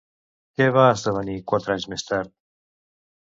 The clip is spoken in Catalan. Què va esdevenir quatre anys més tard?